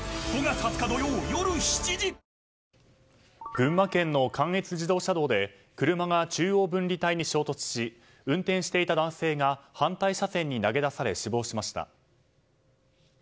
群馬県の関越自動車道で車が中央分離帯に衝突し運転していた男性が反対車線に投げ出され死亡しました。